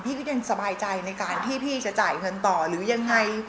ก็ยังสบายใจในการที่พี่จะจ่ายเงินต่อหรือยังไง